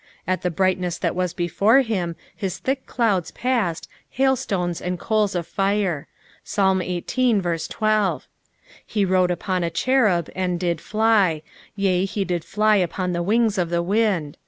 " At the brightness that waa before him hia thick clouds passed, hailstones and coals of fire." Psalm xviji. 13. " He rode upon a cherub, and did fly ; yea, he did fly upon the wings of the wind."